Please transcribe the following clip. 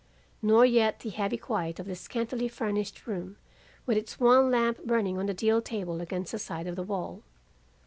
Nor yet the heavy quiet of the scantily furnished room with its one lamp burning on the deal table against the side of the wall.